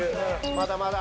まだまだ。